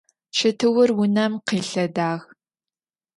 Чэтыур унэм къилъэдагъ.